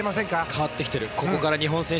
変わってきている。